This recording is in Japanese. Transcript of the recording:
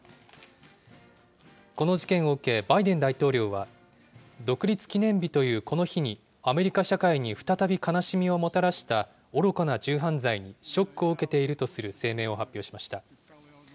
この事件を受け、バイデン大統領は、独立記念日というこの日に、アメリカ社会に再び悲しみをもたらした愚かな銃犯罪にショックを受けているとする声明を発表しました。